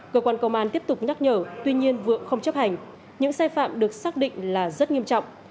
cơ quan công an tiếp tục nhắc nhở tuy nhiên vượng không chấp hành những sai phạm được xác định là rất nghiêm trọng